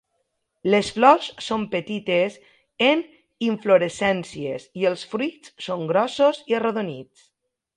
Les flors són petites en inflorescències i els fruits són grossos i arrodonits.